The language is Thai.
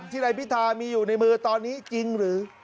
นายพิธามีอยู่ในมือตอนนี้จริงหรือ